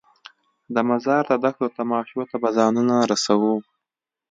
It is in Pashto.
د مزار د دښتو تماشو ته به ځانونه رسوو.